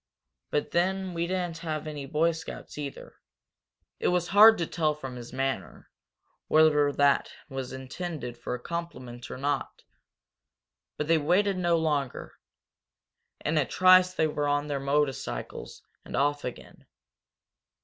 But then we didn't have any Boy Scouts, either!" It was hard to tell from his manner whether that was intended for a compliment or not. But they waited no longer. In a trice they were on their motorcycles and off again.